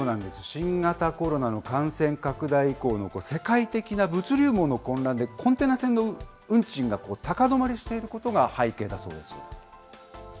新型コロナの感染拡大以降の世界的な物流網の混乱で、コンテナ船の運賃が高止まりしていることが背景だそうです。